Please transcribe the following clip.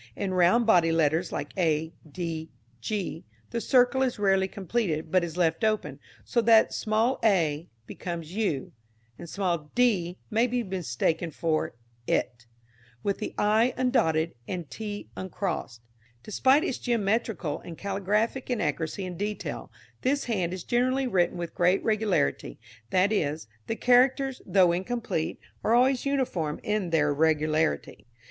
In round bodied letters like a, d, g, the circle is rarely completed, but is left open, so that small a becomes u, and small d may be mistaken for it, with the i undotted and t uncrossed. Despite its geometrical and caligraphic inaccuracy in detail, this hand is generally written with great regularity, that is, the characters, though incomplete, are always uniform in their irregularity.